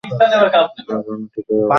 তারা জানে ঠিকই তবে কী বলল শুনলেনই তো!